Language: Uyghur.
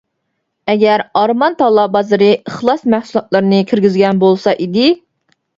ئەگەر ئارمان تاللا بازىرى ئىخلاس مەھسۇلاتلىرىنى كىرگۈزگەن بولسا ئىدى.